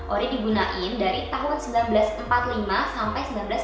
ori digunain dari tahun seribu sembilan ratus empat puluh lima sampai seribu sembilan ratus sembilan puluh